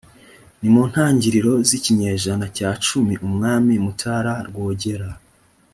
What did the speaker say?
ni mu ntangiriro z ikinyejana cya cumi umwami mutara rwogera